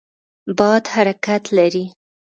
باد حرکت لري.